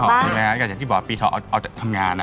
พี่ปีทอบ้างอเจมส์พี่แม้อย่างที่บอกปีทอบบออกจากทำงานอะ